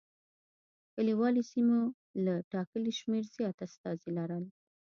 کلیوالي سیمو له ټاکلي شمېر زیات استازي لرل.